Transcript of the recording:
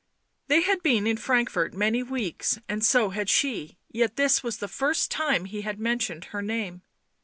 They had been in Frankfort many weeks, and so had she, yet this was the first time that he had men tioned her name.